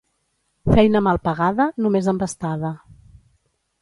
Feina mal pagada, només embastada.